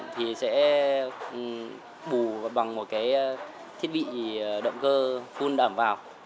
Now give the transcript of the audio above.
thì sẽ bù bằng một cái thiết bị động cơ full ẩm vào